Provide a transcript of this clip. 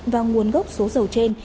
và nguồn gốc số dầu trên